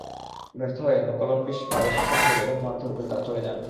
ব্যর্থ হয়ে নকলনবিশ ফারুক হোসেনকে বেদম মারধর করে তাঁরা চলে যান।